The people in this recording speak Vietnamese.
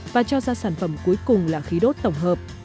và cho ra sản phẩm cuối cùng là khí đốt tổng hợp